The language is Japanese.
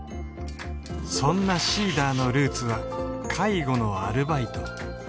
そんなＳｅｅｄｅｒのルーツは介護のアルバイト